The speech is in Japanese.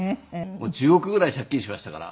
１０億ぐらい借金しましたから。